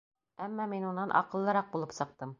Әммә мин унан аҡыллыраҡ булып сыҡтым.